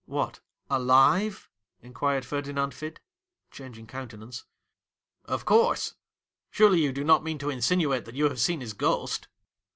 ' What, alive ?' inquired Ferdinand Fid, changing countenance. ' Of course ! Surely you do not mean to insinuate that you have seen his ghost